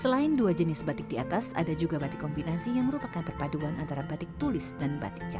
selain dua jenis batik di atas ada juga batik kombinasi yang merupakan perpaduan antara batik tulis dan batik cantik